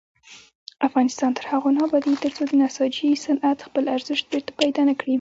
افغانستان تر هغو نه ابادیږي، ترڅو د نساجي صنعت خپل ارزښت بیرته پیدا نکړي.